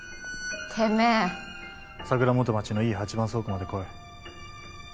桜元町のＥ８番倉庫まで来い。